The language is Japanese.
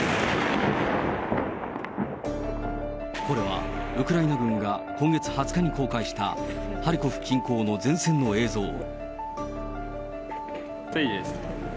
これはウクライナ軍が今月２０日に公開したハリコフ近郊の前線の映像。